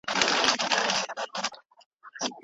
هیچا ته خپلي ټولې هیلې په ژوند کي نه دي میسرې.